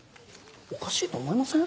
おかしいと思いません？